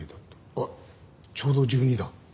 あっちょうど１２だ。